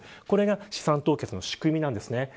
これが資産凍結の仕組みです。